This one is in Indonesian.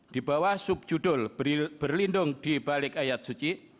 di bawah subjudul berlindung dibalik ayat suci